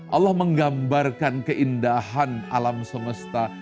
allah menggambarkan keindahan alam semesta